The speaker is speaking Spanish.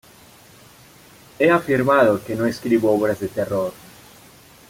He afirmado que no escribo obras de "terror".